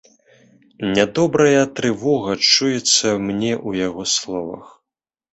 Нядобрая трывога чуецца мне ў яго словах.